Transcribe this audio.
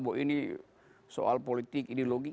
bahwa ini soal politik ini logik